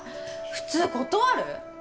普通断る？